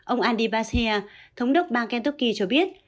ông andy bashe thống đốc bang kentucky cho biết